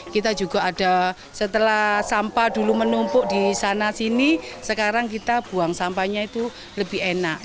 kita juga ada setelah sampah dulu menumpuk di sana sini sekarang kita buang sampahnya itu lebih enak